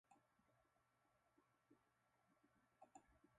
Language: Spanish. Se consolidaron las guarniciones en Tejas.